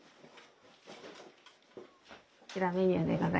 こちらメニューでございます。